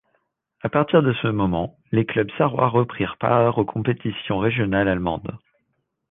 À partir de ce moment, les clubs sarrois reprirent part aux compétitions régionales allemandes.